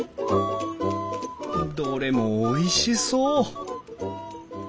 どれもおいしそう！